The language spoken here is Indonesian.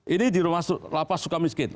ini di rumah lapas suka miskin